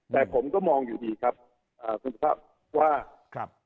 แต่ผมก็มองอยู่ดีครับคุณสำนักครับเขาคิดว่าครับ